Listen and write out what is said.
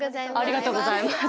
ありがとうございます。